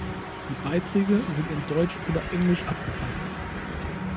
Die Beiträge sind in Deutsch oder Englisch abgefasst.